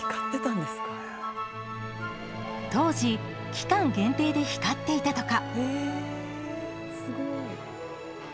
当時、期間限定で光っていたとか。